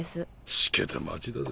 しけた町だぜ。